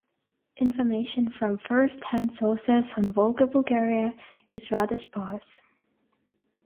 Information from first-hand sources on Volga Bulgaria is rather sparse.